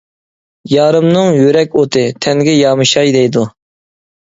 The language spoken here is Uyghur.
يارىمنىڭ يۈرەك ئوتى، تەنگە يامىشاي دەيدۇ.